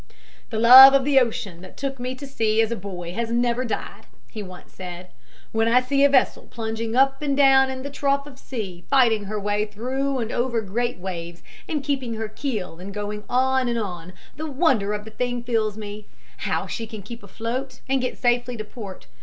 "The love of the ocean that took me to sea as a boy has never died." he once said. "When I see a vessel plunging up and down in the trough of the sea, fighting her way through and over great waves, and keeping her keel and going on and on the wonder of the thing fills me, how she can keep afloat and get safely to port.